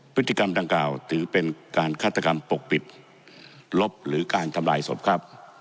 พฤติกรรมดังกล่าวถือเป็นการฆาตกรรมปกปิดลบหรือการทำลายศพครับ